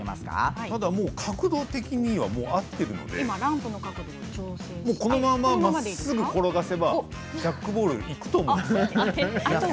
角度的にはもう合っているのでこのまま、まっすぐ転がせばジャックボールにいくと思うんです。